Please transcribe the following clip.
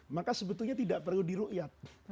maka sebetulnya tidak perlu di ru'yat